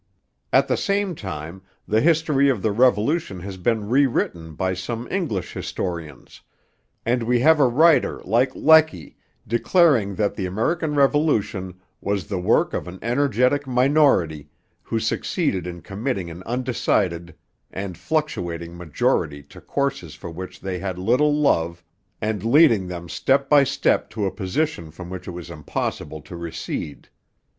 At the same time the history of the Revolution has been rewritten by some English historians; and we have a writer like Lecky declaring that the American Revolution 'was the work of an energetic minority, who succeeded in committing an undecided and fluctuating majority to courses for which they had little love, and leading them step by step to a position from which it was impossible to recede.'